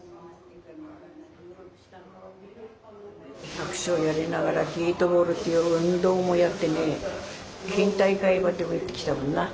百姓やりながらゲートボールっていう運動もやってね県大会までも行ってきたもんな。